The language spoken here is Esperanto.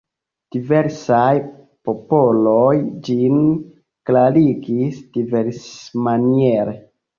Diversaj popoloj ĝin klarigis diversmaniere.